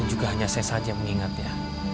dan juga hanya saya saja mengingatnya